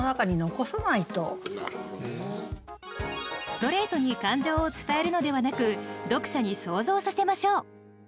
ストレートに感情を伝えるのではなく読者に想像させましょう。